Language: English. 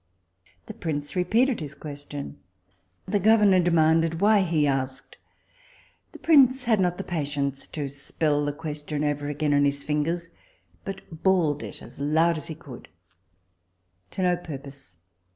The prince repeated his question; the governor demanded why he asked the prince had not patience to spell the question over again on his fingers, but bawled it as loud as he could to no purpose.